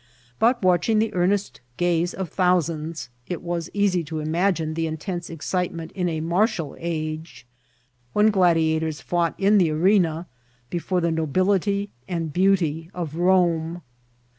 But, watching the earnest gaze of thousands, it was easy to imagine the intense excitement in a martial age, when gladiators fought in the arena before the nobility and beauty of Rome.